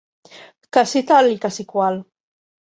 ...que si tal i que si qual